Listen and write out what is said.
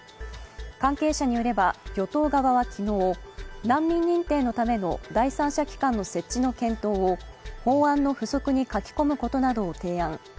関係者によれば与党側は昨日、難民認定のための第三者機関の設置の検討を法案の付則に書き込むことなどを提案。